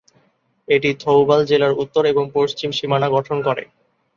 এটি থৌবাল জেলার উত্তর এবং পশ্চিম সীমানা গঠন করে।